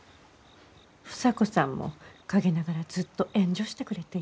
房子さんも陰ながらずっと援助してくれている。